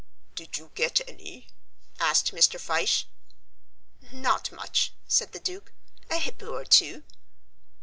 "Did you get any?" asked Mr. Fyshe. "Not much," said the Duke; "a hippo or two."